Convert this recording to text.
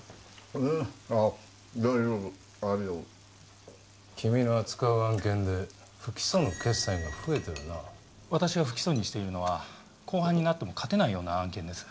うんああ大丈夫ありがとう・君の扱う案件で不起訴の決裁が増えてるな私が不起訴にしているのは公判になっても勝てない案件です